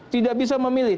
tidak bisa memilih